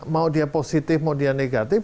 mau dia positif mau dia negatif